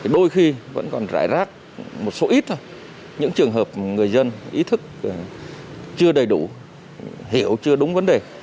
đôi khi vẫn còn rải rác một số ít thôi những trường hợp người dân ý thức chưa đầy đủ hiểu chưa đúng vấn đề